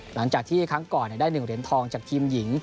หลังจากที่ครั้งก่อนได้๑เหรียญทองจากทีมหญิง